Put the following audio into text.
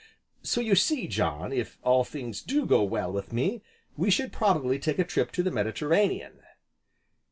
"So you see, John, if all things do go well with me, we should probably take a trip to the Mediterranean."